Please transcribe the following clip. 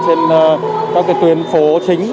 trên các tuyến phố chính